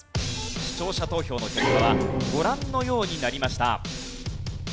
視聴者投票の結果はご覧のようになりました。